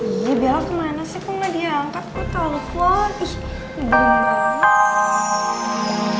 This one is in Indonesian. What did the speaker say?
iya biar kemana sih kok gak diangkat kok telfon